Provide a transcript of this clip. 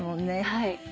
はい。